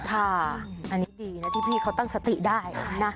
ค่ะอันนี้ดีนะที่พี่เขาตั้งสติได้นะ